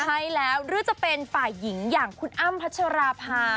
ใช่แล้วหรือจะเป็นฝ่ายหญิงอย่างคุณอ้ำพัชราภา